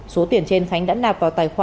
số tiền trên khánh đã nạp vào tài khoản